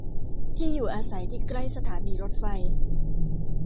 ที่อยู่อาศัยที่ใกล้สถานีรถไฟ